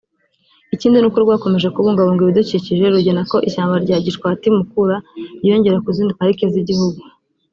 Ikindi ni uko rwakomeje kubungabunga ibidukikije rugena ko ishyamba rya Gishwati – Mukura ryiyongera ku zindi Pariki z’Igihugu